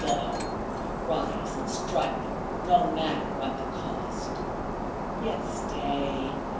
Go; rise and strike, no matter what the cost. Yet stay.